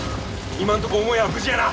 今んとこ母屋は無事やな。